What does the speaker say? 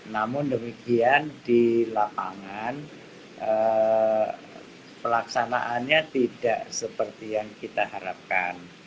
namun demikian di lapangan pelaksanaannya tidak seperti yang kita harapkan